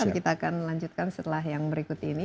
kita akan lanjutkan setelah yang berikut ini